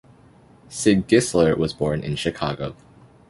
Sig Gissler was born in Chicago.